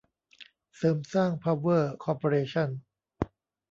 เสริมสร้าง พาวเวอร์ คอร์ปอเรชั่น